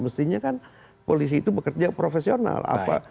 mestinya kan polisi itu bekerja profesional